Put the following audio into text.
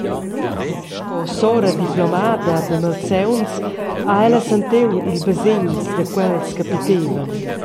Sco sora diplomada da malsauns ha ella sentiu il basegns da quels che pitevan.